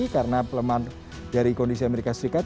karena pelemahan dari kondisi amerika serikat